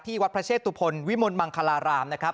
ที่วัดพระเชษฐุพลวิมนต์มังคลารามนะครับ